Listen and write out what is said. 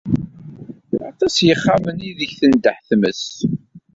Aṭas n yexxamen aydeg tendeḥ tmes.